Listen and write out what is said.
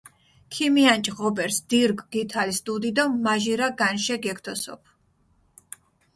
ქიმიანჭჷ ღობერს, დირგჷ გითალს დუდი დო მაჟირა განშე გეგთოსოფჷ.